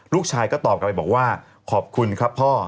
ลูกชายก็ตอบกลับไปบอกว่าขอบคุณครับพ่อ